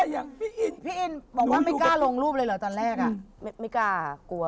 อยากเป็นผู้เลือกมาก